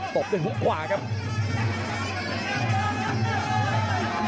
ตบด้วยฮุกขวาครับ